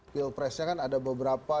pilpresnya kan ada beberapa